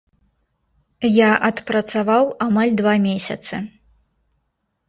Я адпрацаваў амаль два месяцы.